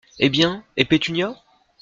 Eh bien, et Pétunia ?